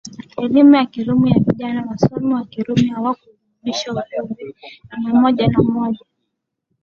Elimu ya Kirumi ya vijana wasomi wa Kirumi haikujumuisha Uvuvi mia moja na moja